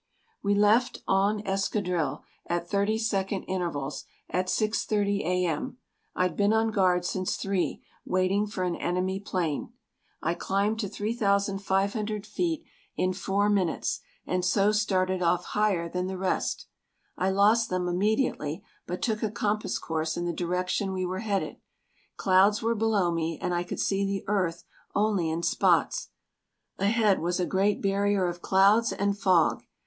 We left en escadrille, at 30 second intervals, at 6:30 A.M. I'd been on guard since three, waiting for an enemy plane. I climbed to 3,500 feet in four minutes and so started off higher than the rest. I lost them immediately but took a compass course in the direction we were headed. Clouds were below me and I could see the earth only in spots. Ahead was a great barrier of clouds and fog.